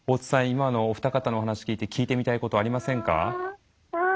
今のお二方のお話聞いて聞いてみたいことありませんか？